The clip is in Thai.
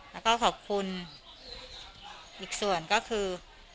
แล้วก็ขอบคุณอีกส่วนก็คือ